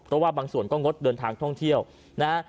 เพราะว่าบางส่วนก็งดเดินทางท่องเที่ยวนะฮะ